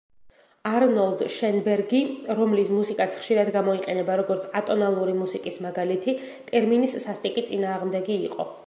არნოლდ შენბერგი, რომლის მუსიკაც ხშირად გამოიყენება, როგორც ატონალური მუსიკის მაგალითი, ტერმინის სასტიკი წინააღმდეგი იყო.